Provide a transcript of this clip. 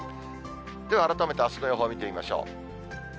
では改めて、あすの予報を見てみましょう。